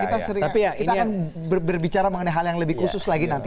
kita akan berbicara mengenai hal yang lebih khusus lagi nanti